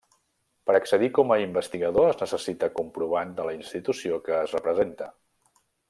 Per accedir com a investigador es necessita comprovant de la institució que es representa.